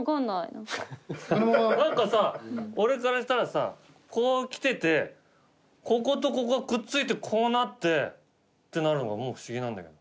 俺からしたらさこうきててこことここくっついてこうなってってなるのがもう不思議なんだけど。